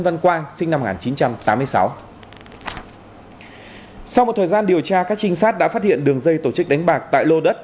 sau một thời gian điều tra các trinh sát đã phát hiện đường dây tổ chức đánh bạc tại lô đất